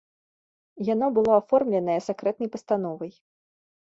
Яно было аформленае сакрэтнай пастановай.